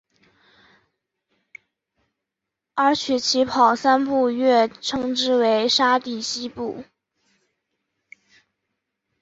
而取其跑三步跃称之为沙蒂希步。